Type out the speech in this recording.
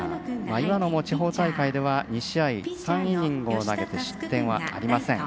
岩野も地方大会では２試合、３イニングを投げて失点はありません。